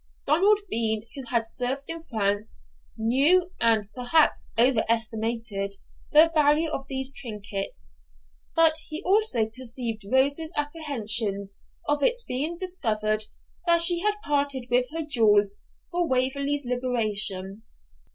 Donald Bean, who had served in France, knew, and perhaps over estimated, the value of these trinkets. But he also perceived Rose's apprehensions of its being discovered that she had parted with her jewels for Waverley's liberation.